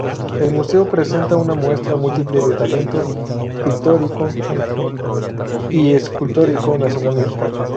El museo presenta una muestra múltiple del talento pictórico y escultórico nacional mexicano.